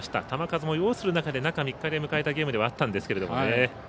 球数も要する中で中３日で迎えた２回戦ではあったんですけどもね。